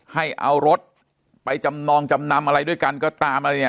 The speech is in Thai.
ให้เอารถไปจำนองจำนำอะไรด้วยกันก็ตามอะไรเนี่ย